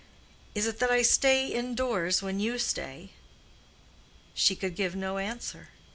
"Is it that I stay indoors when you stay?" She could give no answer.